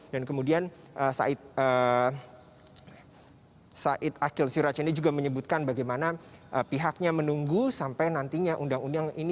dan kemudian said akil siraj ini juga menyebutkan bagaimana pihaknya menunggu sampai nantinya undang undang ini